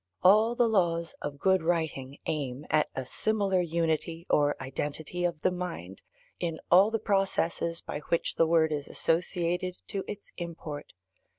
All the laws of good writing aim at a similar unity or identity of the mind in all the processes by which the word is associated to its import.